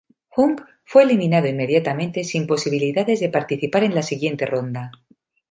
Hung fue eliminado inmediatamente sin posibilidades de participar en la siguiente ronda.